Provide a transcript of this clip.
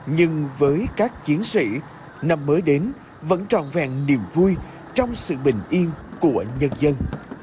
nhưng với các chiến sĩ năm mới đến vẫn tròn vẹn niềm vui trong sự bình yên của nhân dân